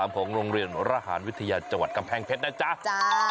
ของโรงเรียนระหารวิทยาจังหวัดกำแพงเพชรนะจ๊ะ